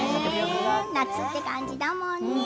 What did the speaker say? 夏っていう感じだもんね。